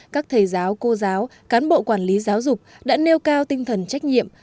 các thầy giáo cô giáo cán bộ quản lý giáo dục đã nêu cao tinh thần trách nhiệm